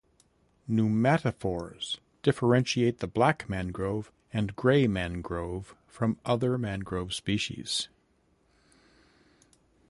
Pneumatophores differentiate the Black mangrove and Grey mangrove from other mangrove species.